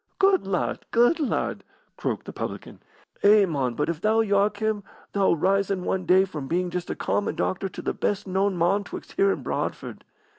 "Good lad! good lad!" croaked the publican. "Eh, mon, but if thou yark him, thou'll rise in one day from being just a common doctor to the best known mon 'twixt here and Bradford.